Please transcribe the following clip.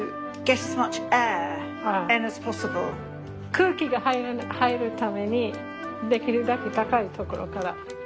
空気が入るためにできるだけ高い所から。